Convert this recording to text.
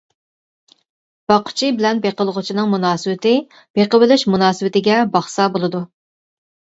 باققۇچى بىلەن بېقىلغۇچىنىڭ مۇناسىۋىتى بېقىۋېلىش مۇناسىۋىتىگە باقسا بولىدۇ.